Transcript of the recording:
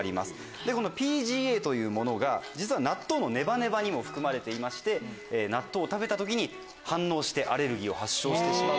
でこのＰＧＡというものが実は納豆のネバネバにも含まれていまして納豆を食べた時に反応してアレルギーを発症してしまう。